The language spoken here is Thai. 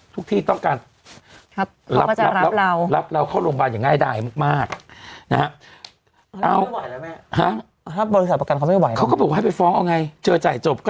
ทุกที่ต้องการเรารับเราเข้าโรงพยาบาลอย่างง่ายได้มาก